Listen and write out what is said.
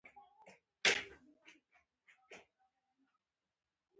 دا لوبډله مې خوښه نه شوه